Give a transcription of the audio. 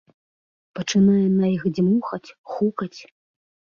Пачынае на іх дзьмухаць, хукаць.